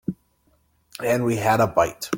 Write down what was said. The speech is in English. And we had a bite.